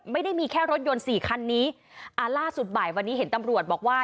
ไม่ได้มีแค่รถยนต์สี่คันนี้อ่าล่าสุดบ่ายวันนี้เห็นตำรวจบอกว่า